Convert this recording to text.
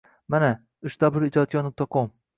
Manba: www.ijodkor.com